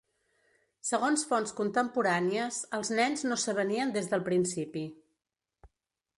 Segons fonts contemporànies, els nens no s'avenien des del principi.